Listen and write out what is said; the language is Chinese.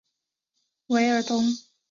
韦尔东。